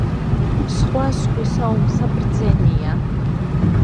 სხვა სხვისა ომსა ბრძენია;